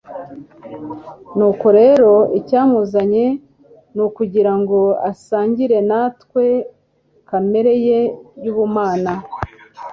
Nuko rero icyamuzanye ni ukugira ngo asangire natwe kamere ye y'ubumana.